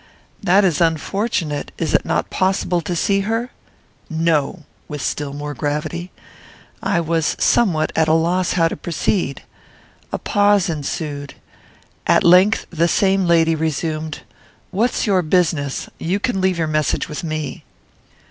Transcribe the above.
"That is unfortunate. Is it not possible to see her?" "No;" with still more gravity. I was somewhat at a loss how to proceed. A pause ensued. At length the same lady resumed, "What's your business? You can leave your message with me."